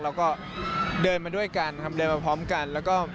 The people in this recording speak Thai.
เราก็เดินไปด้วยกันเดินไปพร้อมกัน